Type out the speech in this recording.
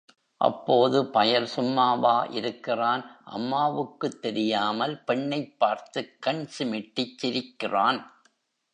அப்போது பயல் சும்மாவா இருக்கிறான் அம்மாவுக்குத் தெரியாமல் பெண்ணைப் பார்த்துக் கண் சிமிட்டிச் சிரிக்கிறான்.